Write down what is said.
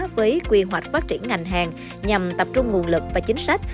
với quy hoạch phát triển ngành hàng nhằm tập trung nguồn lực và chính sách